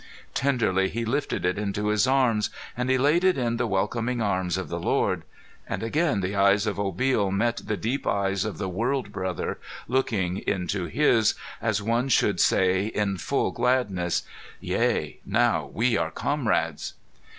Tenderly he lifted it into his arms, and he laid it in the welcoming arms of the Lord. And again the eyes of Obil met the deep eyes of the World Brother looking into his, as one should say, in full gladness, "Yea, now we are Comrades!"